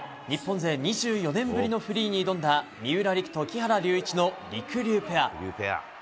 日本勢２４年ぶりのフリーに挑んだ三浦璃来と木原龍一のりくりゅうペア。